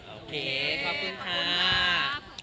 โอเคขอบคุณค่ะ